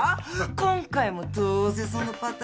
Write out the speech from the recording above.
今回もどうせそのパターンなんだろ。